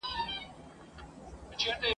د څاروو په پالنه